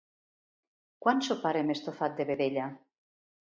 Quan soparem estofat de vedella?